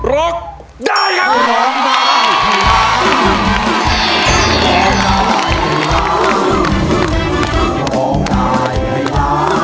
รกได้ครับ